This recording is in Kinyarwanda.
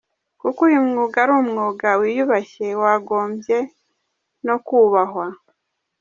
Kuko uyu mwuga ari umwuga wiyubashye wagombye no kubahwa.